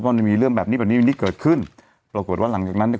มันมีเรื่องแบบนี้แบบนี้เกิดขึ้นปรากฏว่าหลังจากนั้นเนี่ย